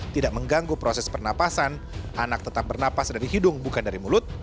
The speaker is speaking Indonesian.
tidak mengganggu proses pernapasan anak tetap bernapas dari hidung bukan dari mulut